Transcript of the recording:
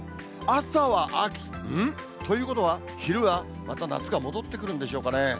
朝は秋、ん？ということは、昼はまた夏が戻ってくるんでしょうかね。